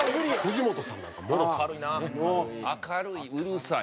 明るいうるさい。